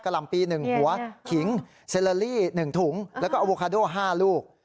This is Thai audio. ลำปี๑หัวขิงเซลลาลี่๑ถุงแล้วก็อโวคาโด๕ลูก